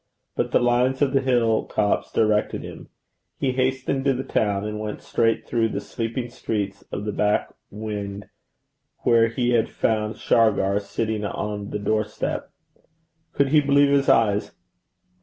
But the lines of the hill tops directed him. He hastened to the town, and went straight through the sleeping streets to the back wynd where he had found Shargar sitting on the doorstep. Could he believe his eyes?